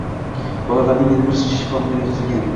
Bolalarning yana biri shifoxonaga yotqizilgan